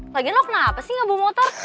lagian lo kenapa sih gak bu motor